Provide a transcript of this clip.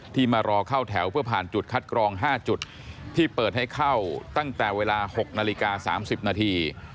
มารอเข้าแถวเพื่อผ่านจุดคัดกรอง๕จุดที่เปิดให้เข้าตั้งแต่เวลา๖นาฬิกา๓๐นาที